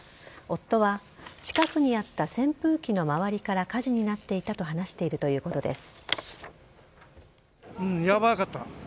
夫は近くにあった扇風機の周りから火事になっていたと話しているということです。